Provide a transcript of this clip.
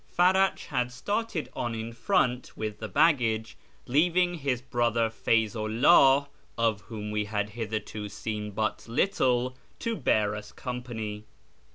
Farach had started on in front with the baggage, leaving his brother Feyzu 'IMh, of whom we had hitherto seen but little, to bear us company.